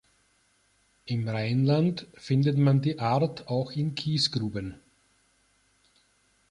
Im Rheinland findet man die Art auch in Kiesgruben.